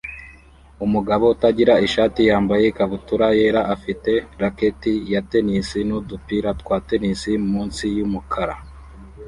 Umugabo utagira ishati yambaye ikabutura yera afite racket ya tennis nudupira twa tennis munsi yumukara